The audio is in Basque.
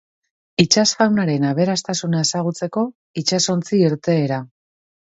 Itsas faunaren aberastasuna ezagutzeko itsasontzi-irteera.